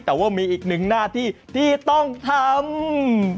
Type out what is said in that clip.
แต่ว่ามีอีกหนึ่งหน้าที่ที่ต้องทำ